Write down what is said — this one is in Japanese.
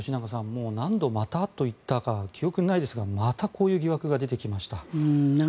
もう何度、「また」と言ったか記憶にないですがまた、こういう疑惑が出てきました。